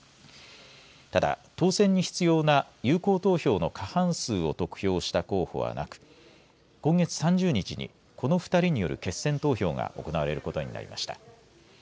ただ、当選に必要な有効投票の過半数を得票した候補はなく今月３０日にこの２人による決選投票が行われることになりました。